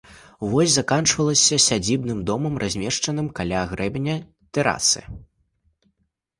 Вось заканчвалася сядзібным домам, размешчаным каля грэбеня тэрасы.